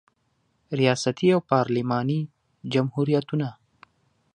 ریاستي او پارلماني جمهوریتونه